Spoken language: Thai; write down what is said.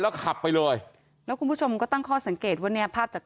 แล้วขับไปเลยแล้วคุณผู้ชมก็ตั้งข้อสังเกตว่าเนี่ยภาพจาก